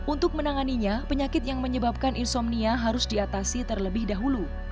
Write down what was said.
untuk menanganinya penyakit yang menyebabkan insomnia harus diatasi terlebih dahulu